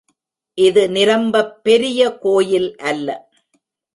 இது நிரம்பப் பெரிய கோயில் அல்ல.